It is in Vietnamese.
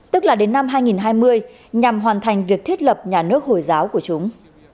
tức là đến năm hai nghìn hai mươi nhằm hoàn thành việc thiết lập nhà nước hồi giáo của chúng